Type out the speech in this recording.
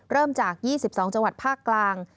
เริ่มจาก๒๒จังหวัดภาคกลาง